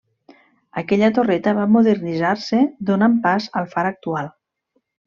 Aquella torreta va modernitzar-se donant pas al far actual.